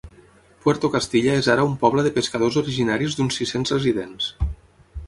Puerto Castilla és ara un poble de pescadors originaris d'uns sis-cents residents.